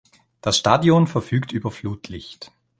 Das Stadion verfügt über Flutlicht.